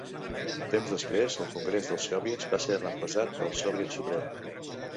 Temps després el Congrés dels Soviets va ser reemplaçat pel Soviet Suprem.